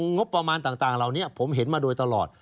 งบประมาณต่างเหล่านี้ผมเห็นมาโดยตลอด